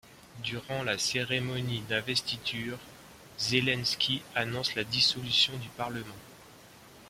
Durant la cérémonie d'investiture, Zelensky annonce la dissolution du Parlement.